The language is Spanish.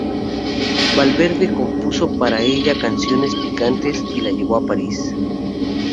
Valverde compuso para ella canciones picantes y la llevó a París.